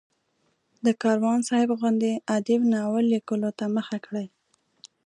د کاروان صاحب غوندې ادیب ناول لیکلو ته مخه کړي.